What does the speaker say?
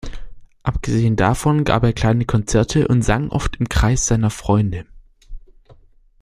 Abgesehen davon gab er kleine Konzerte und sang oft im Kreise seiner Freunde.